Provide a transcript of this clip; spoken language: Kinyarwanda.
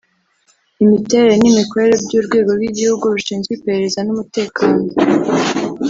imiterere n’imikorere by’Urwego rw’Igihugu rushinzwe iperereza n’umutekano